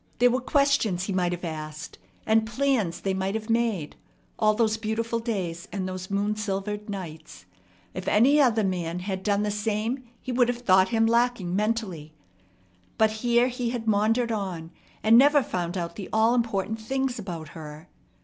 There were questions he might have asked, and plans they might have made, all those beautiful days and those moon silvered nights. If any other man had done the same, he would have thought him lacking mentally. But here he had maundered on, and never found out the all important things about her.